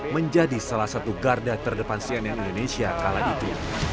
menjadi salah satu garda terdepan cnn indonesia kala itu